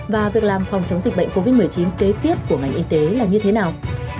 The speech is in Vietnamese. và việc làm phòng chống dịch bệnh covid một mươi chín kế tiếp của ngành y tế là như thế nào